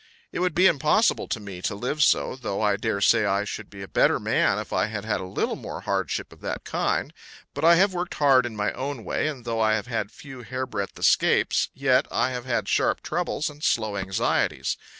It would be impossible to me to live so, though I dare say I should be a better man if I had had a little more hardship of that kind; but I have worked hard in my own way, and though I have had few hairbreadth escapes, yet I have had sharp troubles and slow anxieties.